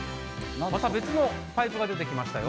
また別のパイプが出てきました。